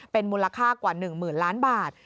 เป็นมูลค่ากว่า๑๐๐๐ล้านบาท